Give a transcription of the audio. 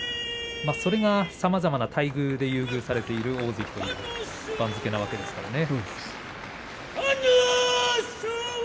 それがさまざまな待遇で優遇されている大関という番付なわけですね。